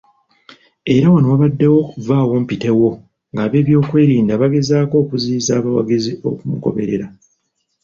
Era wano wabaddewo Vvaawo mpitewo ng'abeebyokwerinda bagezaako okuziyiza abawagizi okumugoberera.